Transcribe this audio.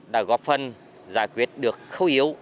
đã góp phần giải quyết được khâu yếu